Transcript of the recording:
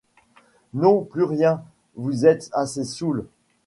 Non, plus rien, vous êtes assez soûl.